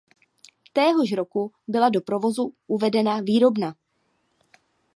Téhož roku byla do provozu uvedena výrobna.